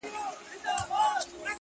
چي مي پېغلوټي د کابل ستایلې،